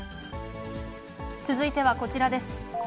続いてはこちらです。